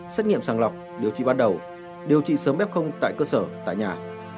xét nghiệm sàng lọc điều trị ban đầu điều trị sớm f tại cơ sở tại nhà